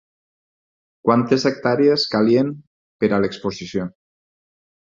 Quantes hectàrees calien per a l'exposició?